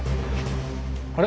あれ？